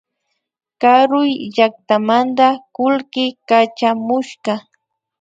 Karuy llaktamanta kullki kachamushka